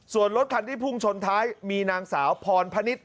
ส่วนรถคันที่พุ่งชนท้ายมีนางสาวพรพนิษฐ